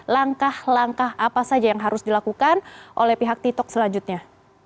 langkah langkah apa saja yang harus dilakukan oleh pihak tiktok selanjutnya